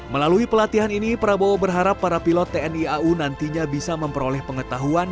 melalui pelatihan ini prabowo berharap para pilot tni au nantinya bisa memperoleh pengetahuan